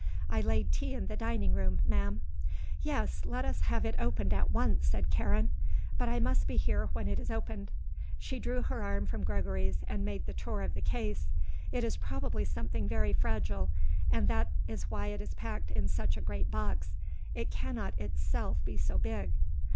"I laid tea in the dining room, Ma'am." "Yes; let us have it opened at once," said Karen. "But I must be here when it is opened." She drew her arm from Gregory's and made the tour of the case. "It is probably something very fragile and that is why it is packed in such a great box; it cannot itself be so big."